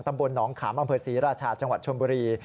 ตำบลหนองขามอำเภอศรีราชาจังหวัดชนบุรี